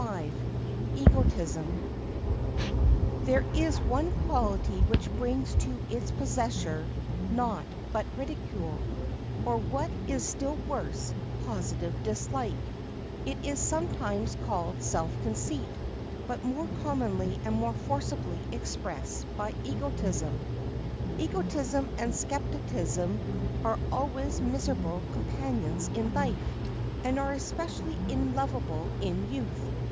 ] There is one quality which brings to its possessor naught but ridicule, or, what is still worse, positive dislike: it is sometimes called self conceit, but more commonly and more forcibly expressed by egotism. Egotism and skepticism are always miserable companions in life, and are especially unlovable in youth.